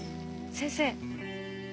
先生。